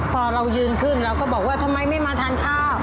พอเรายืนขึ้นเราก็บอกว่าทำไมไม่มาทานข้าว